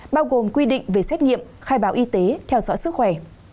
bao gồm quy định về xét nghiệm khai báo y tế theo dõi sức khỏe